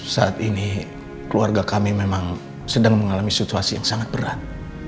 saat ini keluarga kami memang sedang mengalami situasi yang sangat berat